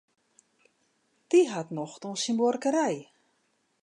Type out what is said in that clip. Dy hat nocht oan syn buorkerij.